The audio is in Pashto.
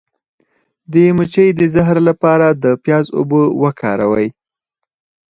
د مچۍ د زهر لپاره د پیاز اوبه وکاروئ